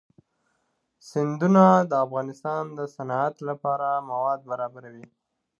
سیندونه د افغانستان د صنعت لپاره مواد برابروي.